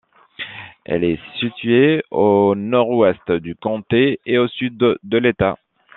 Elle est située au nord-ouest du comté et au sud de l’État.